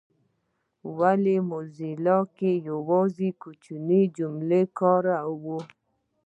ولي په موزیلا کي یوازي کوچنۍ جملې کاروو؟